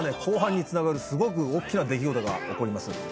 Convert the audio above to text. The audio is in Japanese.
後半に繋がるすごく大きな出来事が起こります。